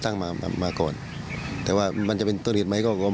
นานเลย